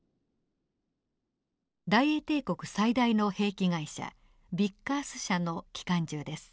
大英帝国最大の兵器会社ビッカース社の機関銃です。